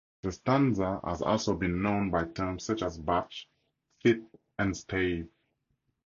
The stanza has also been known by terms such as "batch", "fit", and "stave".